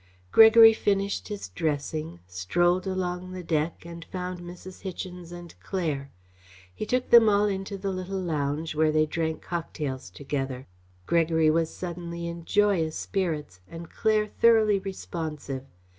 Gregory finished his dressing, strolled along the deck, and found Mrs. Hichens and Claire. He took them all into the little lounge where they drank cocktails together. Gregory was suddenly in joyous spirits, and Claire thoroughly responsive.